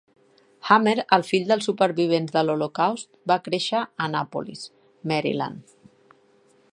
Hammer, el fill dels supervivents de l'Holocaust, va créixer a Annapolis, Maryland.